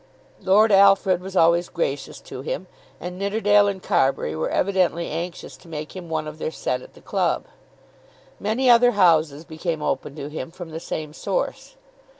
Lord Alfred was always gracious to him, and Nidderdale and Carbury were evidently anxious to make him one of their set at the club. Many other houses became open to him from the same source.